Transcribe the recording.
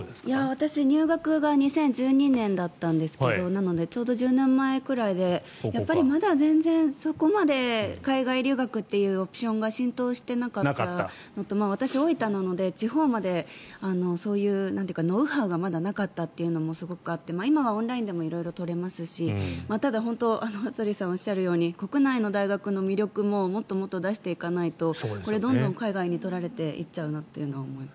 私、入学が２０１２年だったんですがなのでちょうど１０年ぐらい前でやっぱりまだ全然、そこまで海外留学っていうオプションが浸透してなかったのと私、大分なので地方まで、そういうノウハウがまだなかったというのもすごくあって、今はオンラインでも色々取れますしただ、羽鳥さんがおっしゃるように国内の大学の魅力ももっと出していかないとこれ、どんどん海外に取られていっちゃうなというのは思います。